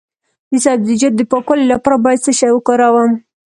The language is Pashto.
د سبزیجاتو د پاکوالي لپاره باید څه شی وکاروم؟